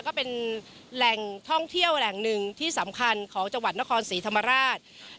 ก็เป็นแหล่งท่องเที่ยวแหล่งหนึ่งที่สำคัญของจังหวัดนครศรีธรรมราช